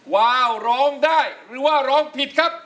วาวร้องได้หรือว่าร้องผิดครับ